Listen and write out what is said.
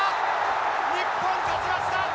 日本勝ちました！